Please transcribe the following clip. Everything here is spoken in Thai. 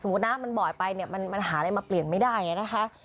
น้ำมันบ่อยไปเนี่ยมันหาอะไรมาเปลี่ยนไม่ได้นะคะ